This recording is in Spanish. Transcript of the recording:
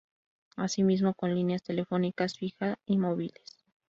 Así mismo con líneas telefónicas fija y móviles.